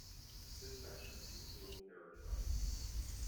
This section is dual carriageway.